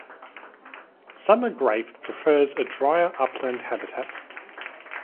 Summer grape prefers a drier upland habitat.